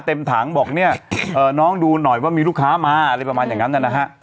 เต็มถังบอกเนี่ยน้องดูหน่อยว่ามีลูกค้ามาอะไรประมาณอย่างนั้นนะฮะ